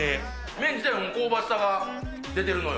麺自体も香ばしさが出てるのよ。